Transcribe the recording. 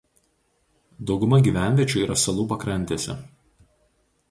Dauguma gyvenviečių yra salų pakrantėse.